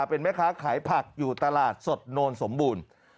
เป็นแม่ค้าขายผักอยู่ตลาดสดโนนสมบูรณ์